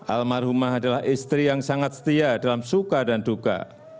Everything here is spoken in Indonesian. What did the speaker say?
almarhumah adalah istri yang sangat setia dalam suka dan duka